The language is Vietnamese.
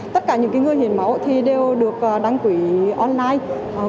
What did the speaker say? tất cả những người hiến máu đều được đăng quỷ online